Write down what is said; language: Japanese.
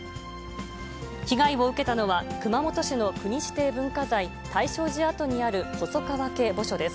被害を受けたのは、熊本市の国指定文化財、泰勝寺跡にある細川家墓所です。